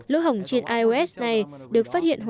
lỗ hồng trên ios này được phát hiện